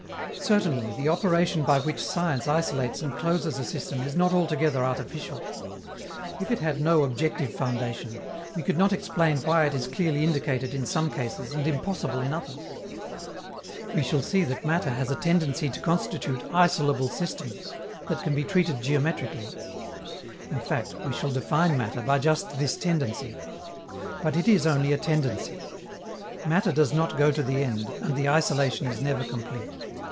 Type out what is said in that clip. Certainly, the operation by which science isolates and closes a system is not altogether artificial. If it had no objective foundation, we could not explain why it is clearly indicated in some cases and impossible in others. We shall see that matter has a tendency to constitute isolable systems, that can be treated geometrically. In fact, we shall define matter by just this tendency. But it is only a tendency. Matter does not go to the end, and the isolation is never complete.